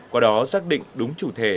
qua đó xác định đúng chủ thể